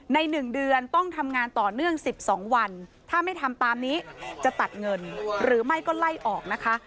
ใน๑เดือนต้องทำงานต่อเนื่อง๑๒วันถ้าไม่ทำตามนี้จะตัดเงินหรือไม่ก็ไล่ออกนะคะ